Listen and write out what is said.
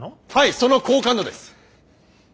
その好感度です！